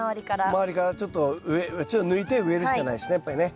周りからちょっと抜いて植えるしかないですねやっぱりね。